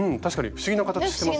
不思議な形してますね。